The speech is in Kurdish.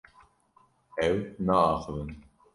Ew naaxivin.